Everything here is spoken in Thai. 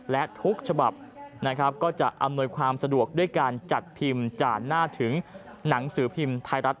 และทุกฉบับนะครับก็จะอำนวยความสะดวกด้วยการจัดพิมพ์จ่านหน้าถึงหนังสือพิมพ์ไทยรัฐ